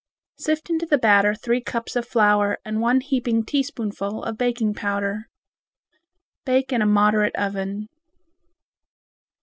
Sift into the batter three cups of flour and one heaping teaspoonful of baking powder. Bake in a moderate oven.